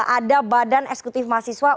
ada badan eksekutif mahasiswa